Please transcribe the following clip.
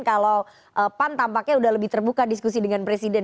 kalau pan tampaknya sudah lebih terbuka diskusi dengan presiden